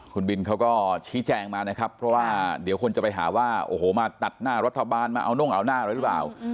คุณบินเค้าก็ชี้แจงมาเพราะว่าเดี๋ยวคนจะไปหาว่ามาตัดหน้ารัฐบาลเอาหน้าอะไรรึเปล่า